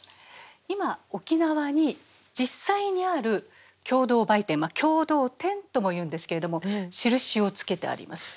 今沖縄に実際にある共同売店「共同店」ともいうんですけれども印をつけてあります。